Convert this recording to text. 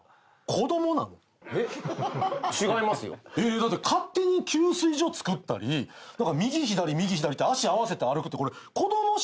だって勝手に給水所作ったり右左右左って足合わせて歩くって子供しかせえへん。